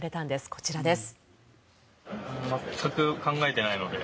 こちらです。